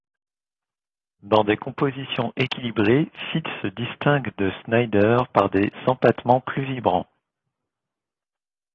Dans des compositions équilibrés, Fyt se distingue de Snyders par des empâtements plus vibrants.